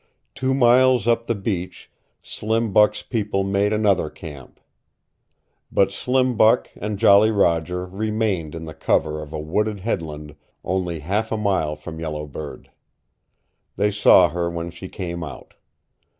Two miles up the beach Slim Buck's people made another camp. But Slim Buck and Jolly Roger remained in the cover of a wooded headland only half a mile from Yellow Bird. They saw her when she came out.